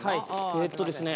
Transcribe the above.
えっとですね